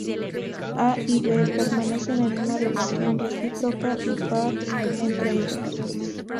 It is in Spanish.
A y B permanecen en una relación recíproca o par entre ellos.